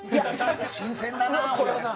新鮮だな蛍原さん。